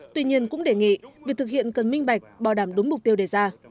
tuy nhiên cũng đề nghị việc thực hiện cần minh bạch bảo đảm đúng mục tiêu đề ra